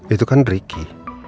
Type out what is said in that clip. itu kan ricky